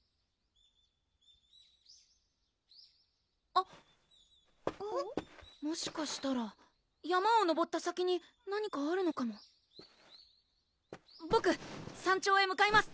あっもしかしたら山を登った先に何かあるのかもボク山頂へ向かいます！